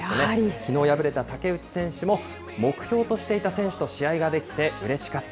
きのう敗れた竹内選手も、目標としていた選手と試合ができて、うれしかった。